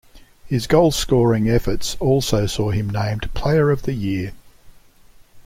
His goalscoring efforts also saw him named Player of the Year.